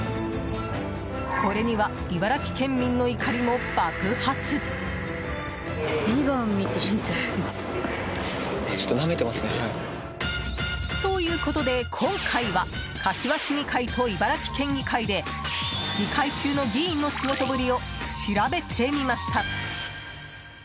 これには茨城県民の怒りも爆発。ということで今回は柏市議会と茨城県議会で議会中の議員の仕事ぶりを調べてみました。